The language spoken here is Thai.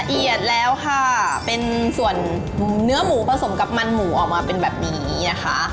แล้วค่ะเป็นส่วนเนื้อหมูผสมกับมันหมูออกมาเป็นแบบนี้นะคะ